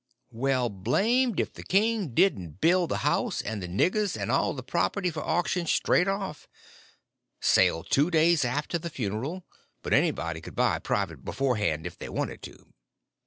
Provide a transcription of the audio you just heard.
Well, blamed if the king didn't bill the house and the niggers and all the property for auction straight off—sale two days after the funeral; but anybody could buy private beforehand if they wanted to.